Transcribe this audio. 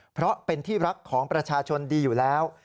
เพราะเป็นที่รักของประชาชนดีอยู่แล้ว